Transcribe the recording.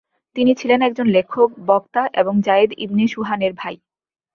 তিনি ছিলেন একজন লেখক, বক্তা এবং জায়েদ ইবনে সুহানের ভাই।